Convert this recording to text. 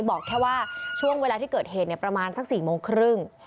บอกแค่ว่าช่วงเวลาที่เกิดเหตุประมาณสัก๔โมงครึ่ง